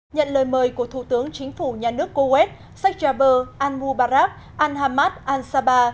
nhận lời mời của thủ tướng chính phủ nhà nước cô quét sách gia bơ an mưu bà rác an hamad an saba